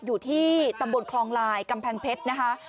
อยู่ที่ตำบลคลองลายกำแพงเพชรนะคะ